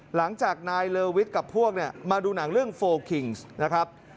หลังจากนายเลอวิทย์กับพวกเนี่ยมาดูหนังเรื่องโฟลคิงส์นะครับ